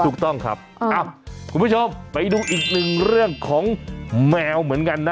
ถูกต้องครับคุณผู้ชมไปดูอีกหนึ่งเรื่องของแมวเหมือนกันนะ